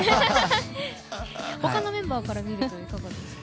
他のメンバーから見るといかがですか？